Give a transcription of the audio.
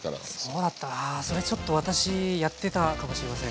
そうだったあそれちょっと私やってたかもしれません。